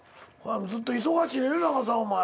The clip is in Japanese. ずっと忙しいね長澤お前。